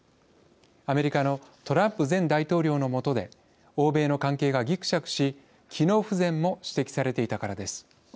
アメリカのトランプ前大統領の下で欧米の関係がぎくしゃくし機能不全も指摘されていたからです。